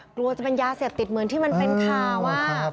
กลัวจะเป็นยาเสพติดเหมือนที่มันเป็นข่าวว่า